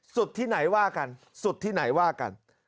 ที่ไหนว่ากันสุดที่ไหนว่ากัน